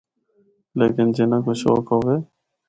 لیکن جنّا کو شوق ہوّے۔